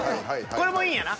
これもいいんやな。